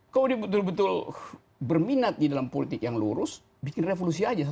kalau dia betul betul berminat di dalam politik yang lurus bikin revolusi aja